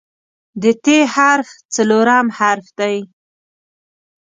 د "ت" حرف څلورم حرف دی.